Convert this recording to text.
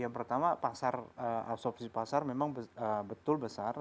yang pertama pasar absorpsi pasar memang betul besar